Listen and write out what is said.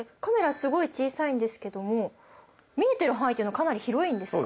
すごい小さいんですけども見えてる範囲っていうのはかなり広いんですか？